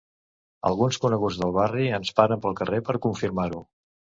Alguns coneguts del barri ens paren pel carrer per confirmar-ho.